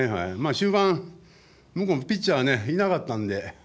終盤、向こうもピッチャーね、いなかったんで。